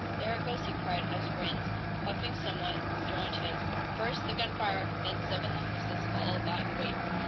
"There it goes," he cried, as Rhinds, puffing somewhat, joined him. "First, the gunfire, then seven long whistles, followed by wait!"